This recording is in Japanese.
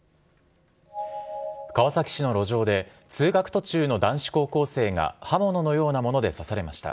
川崎市の路上で、通学途中の男子高校生が刃物のようなもので刺されました。